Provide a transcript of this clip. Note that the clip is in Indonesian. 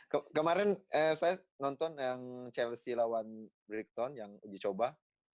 kemarin saya nonton yang chelsea lawan bricktown yang dicoba